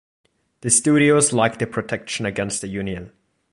The studios liked the protection against the union.